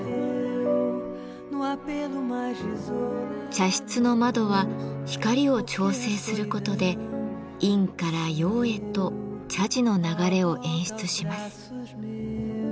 茶室の窓は光を調整することで「陰」から「陽」へと茶事の流れを演出します。